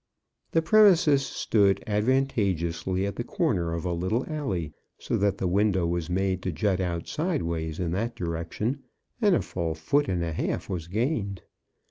The premises stood advantageously at the comer of a little alley, so that the window was made to jut out sideways in that direction, and a full foot and a half was gained.